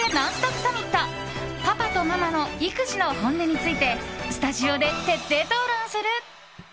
サミットパパとママの育児の本音についてスタジオで徹底討論する！